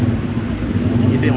waktu peristiwa kejadian